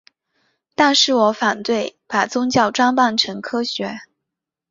但是我反对把宗教装扮成科学。